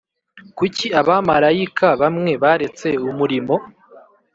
Kuki abamarayika bamwe baretse umurimo